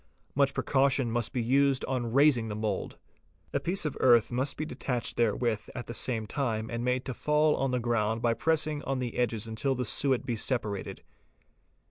Much precaution must be used on raising the mould. A piece of earth must be detached therewith at the same time and made to fall on the ground by pressing on the edges until the suet be separated.